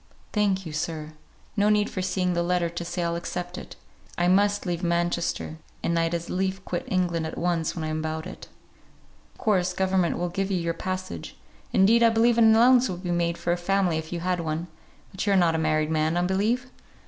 "Thank you, sir. No need for seeing the letter to say I'll accept it. I must leave Manchester; and I'd as lief quit England at once when I'm about it." "Of course government will give you your passage; indeed, I believe an allowance would be made for a family if you had one; but you are not a married man, I believe?"